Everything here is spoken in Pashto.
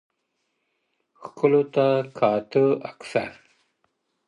ښكلو ته كاته اكثر ـ